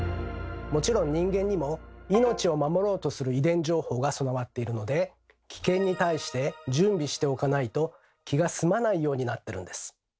もちろん人間にも命を守ろうとする遺伝情報が備わっているので危険に対して準備しておかないと気が済まないようになってるんです。